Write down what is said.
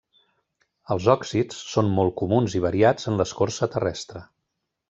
Els òxids són molt comuns i variats en l'escorça terrestre.